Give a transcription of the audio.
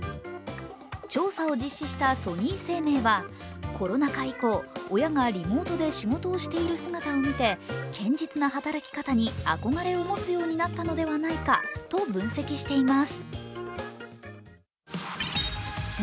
調査を実施したソニー生命は、コロナ禍以降親がリモートで仕事をしている姿を見て、堅実な働き方に憧れを持つようになったのではないかと分析しています。